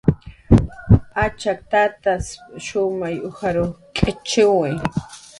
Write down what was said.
Achak tats shumay ujar k'ichiwi